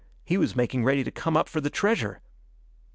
He was making ready to come up for the treasure!